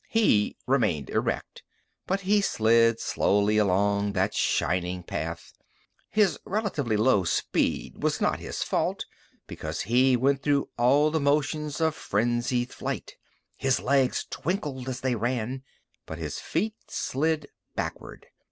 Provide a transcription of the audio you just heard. He remained erect, but he slid slowly along that shining path. His relatively low speed was not his fault, because he went through all the motions of frenzied flight. His legs twinkled as he ran. But his feet slid backward.